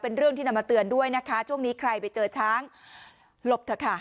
เป็นเรื่องที่นำมาเตือนด้วยนะคะช่วงนี้ใครไปเจอช้างหลบเถอะค่ะ